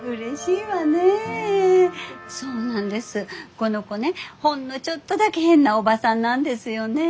この子ねほんのちょっとだけ変なおばさんなんですよねぇ。